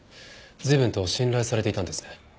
随分と信頼されていたんですね。